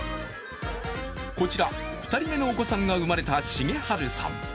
こちら、２人目のお子さんが産まれた茂春さん。